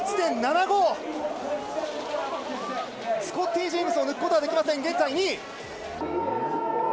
スコッティ・ジェームズを抜くことはできません。